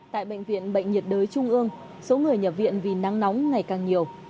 tại bệnh viện bệnh nhiệt đới trung ương số người nhập viện vì nắng nóng ngày càng nhiều